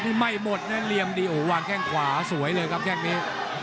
นี่ไม่หมดนะเหลี่ยมดีโอ้โหวางแข้งขวาสวยเลยครับแค่งนี้